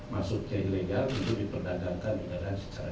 maksudnya ilegal itu diperdagangkan dengan secara ilegal